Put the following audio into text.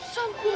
sumpuh ya ya